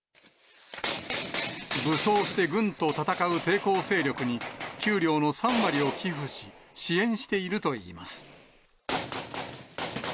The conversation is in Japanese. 武装して軍と戦う抵抗勢力に給料の３割を寄付し、支援しているといいます。